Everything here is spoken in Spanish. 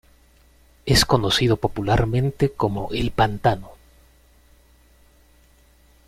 Es conocido popularmente como "el pantano".